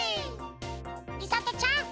みさとちゃん！